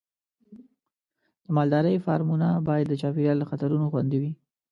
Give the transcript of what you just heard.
د مالدارۍ فارمونه باید د چاپېریال له خطرونو خوندي وي.